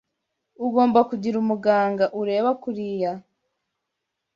Ugomba kugira umuganga ureba kuriya.